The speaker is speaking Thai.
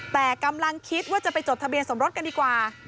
แต่กำลังคิดว่าจะไปจดทะเบียนสมรสกันดีกว่า